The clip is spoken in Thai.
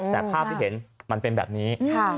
แต่ภาพที่เห็นมันเป็นแบบนี้